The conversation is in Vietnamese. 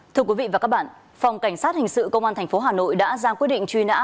thưa quý vị và các bạn phòng cảnh sát hình sự công an tp hà nội đã ra quyết định truy nã